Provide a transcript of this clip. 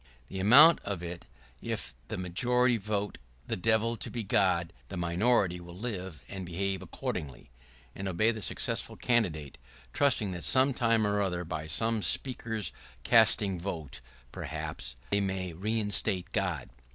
[¶35] The amount of it is, if the majority vote the Devil to be God, the minority will live and behave accordingly — and obey the successful candidate, trusting that, some time or other, by some Speaker's casting vote, perhaps, they may reinstate God.